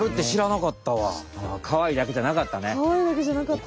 かわいいだけじゃなかった。